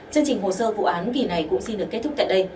chương trình hồ sơ vụ án kỳ này cũng xin được kết thúc tại đây